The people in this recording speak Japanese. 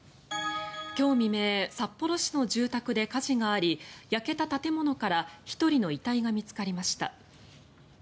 今日未明札幌市の住宅で火事があり焼けた建物から１人の遺体が見つかりました。